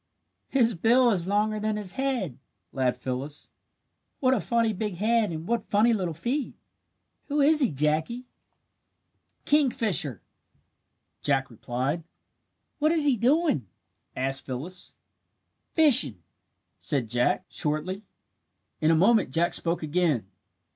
"His bill is longer than his head!" laughed Phyllis. "What a funny big head and what funny little feet! Who is he, Jackie?" "A kingfisher!" Jack replied. "What is he doing?" asked Phyllis. "Fishing," said Jack, shortly. In a moment Jack spoke again.